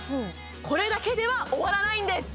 これだけでは終わらないんです